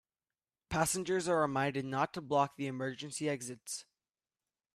Passengers are reminded not to block the emergency exits.